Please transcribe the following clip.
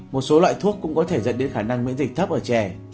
một số loại thuốc cũng có thể dẫn đến khả năng miễn dịch thấp ở trẻ